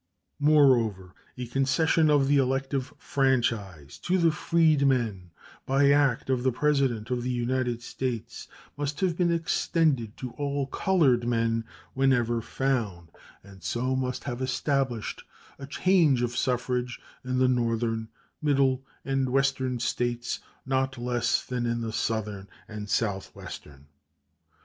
Moreover, a concession of the elective franchise to the freedmen by act of the President of the United States must have been extended to all colored men, wherever found, and so must have established a change of suffrage in the Northern, Middle, and Western States, not less than in the Southern and Southwestern.